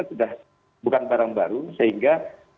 sudah bukan barang baru sehingga